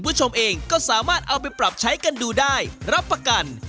พูดถึงสาหร่ากับค่าทางเข้าไป